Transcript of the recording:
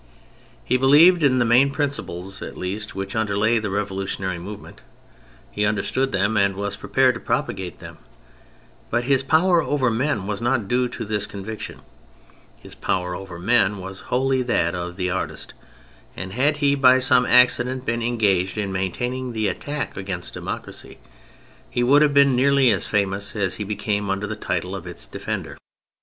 He believed in the main principles at least which underlay the revolutionary movement, he understood them and he was prepared to propagate them; but his power over men was not due to this conviction : his power over men was wholly that of the artist, and had he by some accident been engaged in maintaining the attack against democracy, he would have been nearly as famous as he became under the title of its defender.